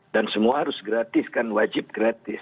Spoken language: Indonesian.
dan semua harus gratis kan wajib gratis